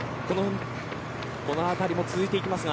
このあたりも続いていきます。